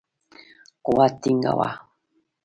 قوت ټینګاوه.